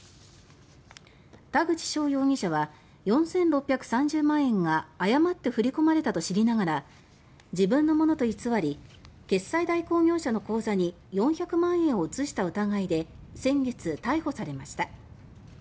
田口翔容疑者は４６３０万円が誤って振り込まれたと知りながら自分のものと偽り決済代行業者の口座に４００万円を移した疑いで先月、逮捕されました。